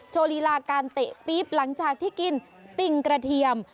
โชว์ลีลาการเตะปี๊บหลังจากที่กินติ่งกระเทียม